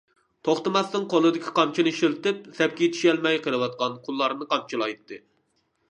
توختىماستىن قولىدىكى قامچىنى شىلتىپ سەپكە يېتىشەلمەي قېلىۋاتقان قۇللارنى قامچىلايتتى.